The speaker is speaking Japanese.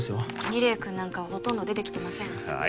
楡くんなんかはほとんど出てきてませんああ